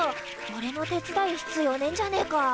おれの手伝う必要ねえんじゃねえか？